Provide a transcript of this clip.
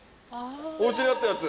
お家にあったやつ。